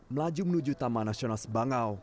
melaju menuju taman nasional sebangau